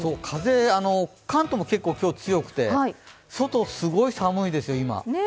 風、関東も結構今日、強くて外、すごい寒いですよ、今。